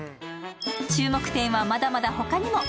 注目店はまだまだ他にも。